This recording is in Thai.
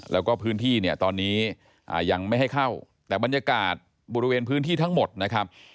แล้วก็พื้นที่เนี่ยตอนนี้ยังไม่ให้เข้าแต่บรรยากาศบริเวณพื้นที่ทั้งหมดนะครับ